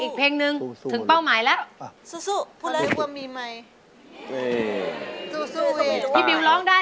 ได้